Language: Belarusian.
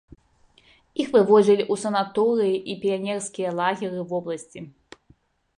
Іх вывозілі ў санаторыі і піянерскія лагеры вобласці.